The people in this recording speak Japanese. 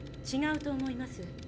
ちがうと思います。